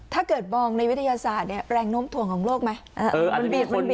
ถ้าเกิดมองในวิทยาศาสตร์เนี่ยแรงโน้มถ่วงของโลกไหม